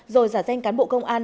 rồi giả danh cán bộ công an